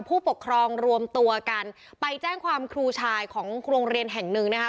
ผู้ปกครองรวมตัวกันไปแจ้งความครูชายของโรงเรียนแห่งหนึ่งนะคะ